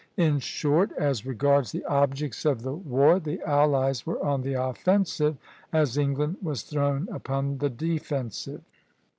In short, as regards the objects of the war the allies were on the offensive, as England was thrown upon the defensive.